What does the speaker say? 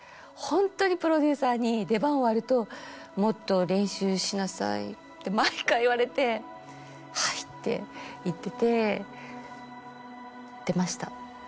ホントにプロデューサーに出番終わると「もっと練習しなさい」って毎回言われて「はい」って言ってて言ってました。